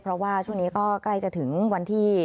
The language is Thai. เพราะว่าช่วงนี้ก็ใกล้จะถึงวันที่